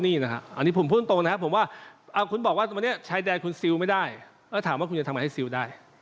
แล้วถามว่าคุณจะทำอะไรให้ซิลได้